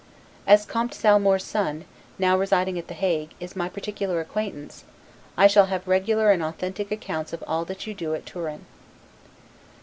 As Comte Salmour's son, now residing at The Hague, is my particular acquaintance, I shall have regular and authentic accounts of all that you do at Turin.